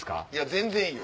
全然いいよ！